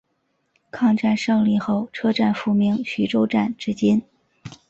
抗战胜利后车站复名徐州站至今。